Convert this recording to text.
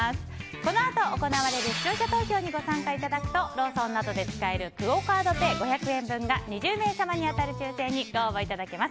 このあと行われる視聴者投票にご参加いただくとローソンなどで使えるクオ・カードペイ５００円分が２０名様に当たる抽選にご応募いただけます。